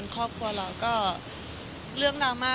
ค่ะ